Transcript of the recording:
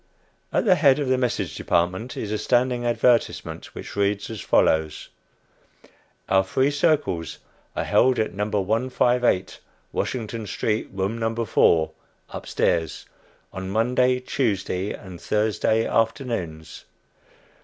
At the head of the "Message Department" is a standing advertisement, which reads as follows: "Our free circles are held at No. 158 Washington street, Room No. 4 (up stairs,) on Monday, Tuesday and Thursday afternoons.